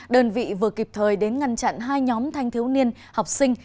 đơn vị vừa kịp thời đến ngăn chặn hai nhóm thanh thiếu niên học sinh